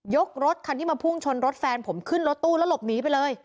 รถคันที่มาพุ่งชนรถแฟนผมขึ้นรถตู้แล้วหลบหนีไปเลย